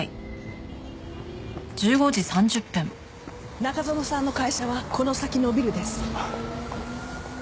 中園さんの会社はこの先のビルです。